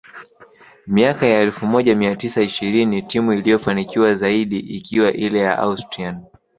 miaka ya elfu moja mia tisa ishirini timu iliyofanikiwa zaidi ikiwa ile ya Austrian